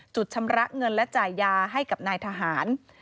ชำระเงินและจ่ายยาให้กับนายทหาร